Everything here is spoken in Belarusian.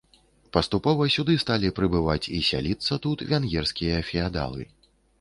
Паступова сюды сталі прыбываць і сяліцца тут венгерскія феадалы.